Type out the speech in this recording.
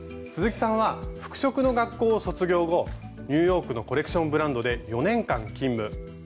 鈴木さんは服飾の学校を卒業後ニューヨークのコレクションブランドで４年間勤務。